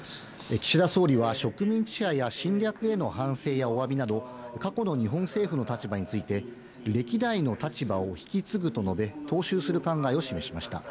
岸田総理は、植民地支配や侵略への反省やおわびなど、過去の日本政府の立場について、歴代の立場を引き継ぐと述べ、踏襲する考えを示しました。